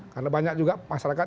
karena banyak juga masyarakat